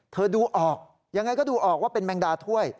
ดูออกยังไงก็ดูออกว่าเป็นแมงดาถ้วย